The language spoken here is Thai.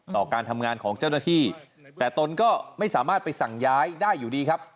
การทำงานของเจ้าหน้าที่แต่ตนก็ไม่สามารถไปสั่งย้ายได้อยู่ดีครับ